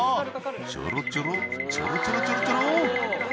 ちょろちょろ、ちょろちょろちょろちょろ。